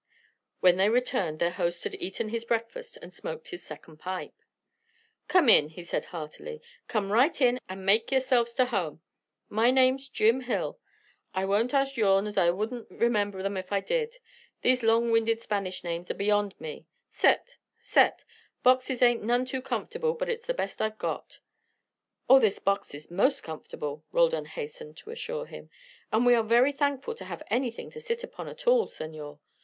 When they returned their host had eaten his breakfast and smoked his second pipe. "Come in," he said heartily. "Come right in and make yourselves ter home. My name's Jim Hill. I won't ask yourn as I wouldn't remember them if I did. These long winded Spanish names are beyond me. Set. Set. Boxes ain't none too comfortable, but it's the best I've got." "Oh, this box is most comfortable," Roldan hastened to assure him. "And we are very thankful to have anything to sit on at all, senor.